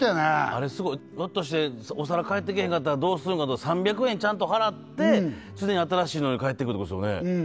あれスゴいひょっとしてお皿返ってけえへんかったらどうするのかと３００円ちゃんと払って新しいのに返ってくるってことですよね